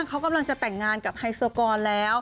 เขากำลังจะแต่งงานกับไฮโซกรแล้ว